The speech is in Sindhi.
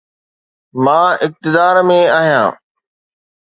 مان اقتدار ۾ آهيان.